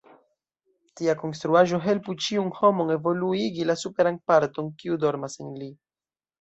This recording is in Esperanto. Tia konstruaĵo helpu ĉiun homon evoluigi la superan parton, kiu dormas en li.